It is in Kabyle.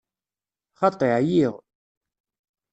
Xaṭi, εyiɣ.